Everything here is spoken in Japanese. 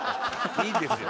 いいんですよ。